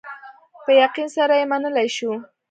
په یقین سره یې منلای شو.